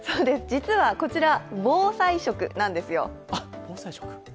実は、こちら防災食なんですよ。